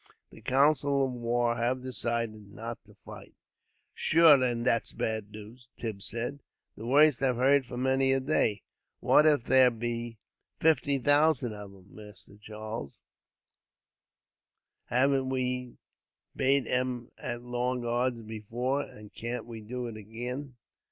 The council of war have decided not to fight." "Shure and that's bad news," Tim said. "The worst I've heard for many a day. What if there be fifty thousand of 'em, Mister Charles, haven't we bate 'em at long odds before, and can't we do it agin?"